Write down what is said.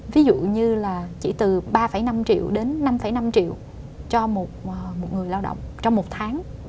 ví dụ như là chỉ từ ba năm triệu đến năm năm triệu cho một người lao động trong một tháng